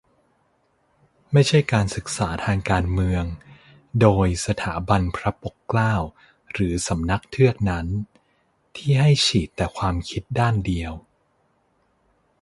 ไม่ใช่การศึกษาทางการเมือง โดย สถาบันพระปกเกล้า หรือสำนักเทือกนั้น ที่ให้ฉีดแต่ความคิดด้านเดียว